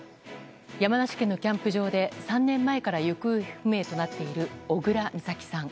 山梨県のキャンプ場で３年前から行方不明となっている小倉美咲さん。